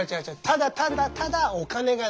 ただただただお金がないから。